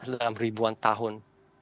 dalam ribuan tahun